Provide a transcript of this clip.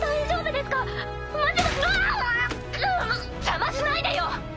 邪魔しないでよ！